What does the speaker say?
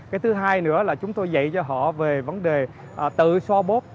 cái thứ hai nữa là chúng tôi dạy cho họ về vấn đề tự so bốt